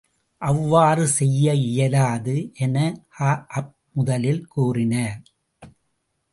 அவ்வாறு செய்ய இயலாது என கஅப் முதலில் கூறினார்.